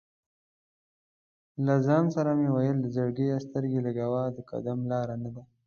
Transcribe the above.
له ځان سره مې ویل: "زړګیه سترګې لګوه، د قدم لاره نه ده".